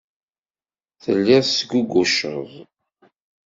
Telliḍ tesguguceḍ.